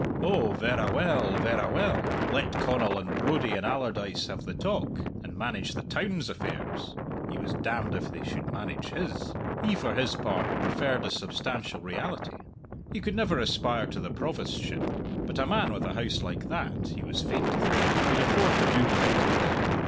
Oh, verra well, verra well; let Connal and Brodie and Allardyce have the talk, and manage the town's affairs (he was damned if they should manage his!) he, for his part, preferred the substantial reality. He could never aspire to the provostship, but a man with a house like that, he was fain to think, could afford to do without it.